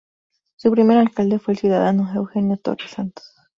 Su primer Alcalde fue el ciudadano Eugenio Torres Santos.